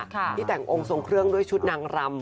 ที่แต่งองค์ทรงเครื่องด้วยชุดนางรำ